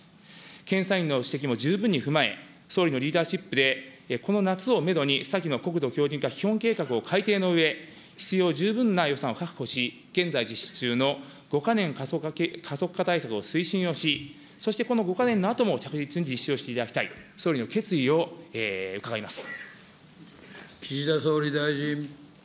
検査院の指摘も十分に踏まえ、総理のリーダーシップで、この夏をメドに、先の国土強じん化基本計画を改定のうえ、必要十分な予算を確保し、現在実施中の５か年加速化対策を推進をし、そしてこの５か年のあとも着実に実施をしていただきたい、総理の決意を伺います。